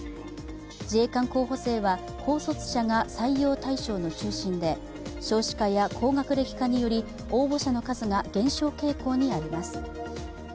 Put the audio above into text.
自衛官候補生は高卒者が採用対象の中心で少子化や高学歴化により、応募者の数が減少傾向にあります。